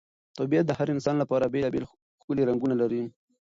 طبیعت د هر انسان لپاره بېلابېل ښکلي رنګونه لري.